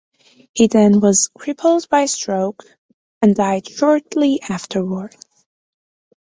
He then was crippled by a stroke and died shortly afterwards.